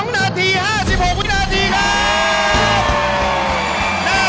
๒นาที๕๖วินาทีครับ